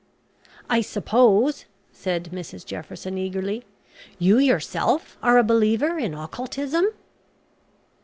"I suppose," said Mrs Jefferson, eagerly, "you yourself are a believer in occultism?"